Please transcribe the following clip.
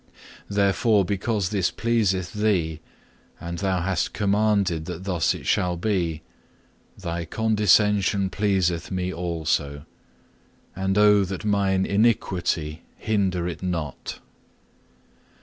Therefore because this pleaseth Thee and Thou hast commanded that thus it shall be, Thy condescension pleaseth me also; and oh that mine iniquity hinder it not.